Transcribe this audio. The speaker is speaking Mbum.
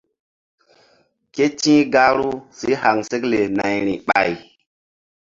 Ke ti̧h gahru si haŋsekle nayri ɓay.